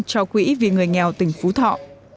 cho quỹ vì người nghèo tỉnh phú thọ